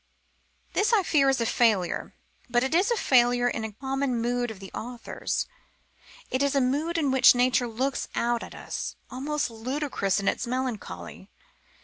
This, I fear, is a failure, but it is a failure in a common mood of the author's. It is a mood in which nature looks out at us, almost ludicrous in its melancholy.